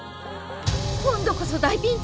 今度こそ大ピンチ！